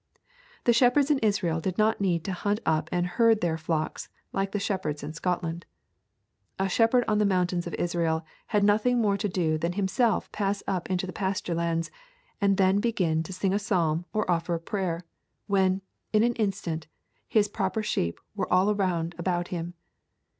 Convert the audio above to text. The shepherds in Israel did not need to hunt up and herd their flocks like the shepherds in Scotland. A shepherd on the mountains of Israel had nothing more to do than himself pass up into the pasture lands and then begin to sing a psalm or offer a prayer, when, in an instant, his proper sheep were all round about him.